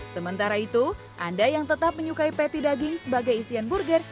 sementara itu anda yang tetap menyukai patty daging sebagai isian burger